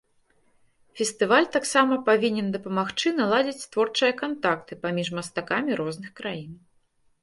Фестываль таксама павінен дапамагчы наладзіць творчыя кантакты паміж мастакамі розных краін.